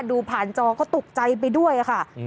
ดูผ่านจอก็ตกใจไปด้วยค่ะ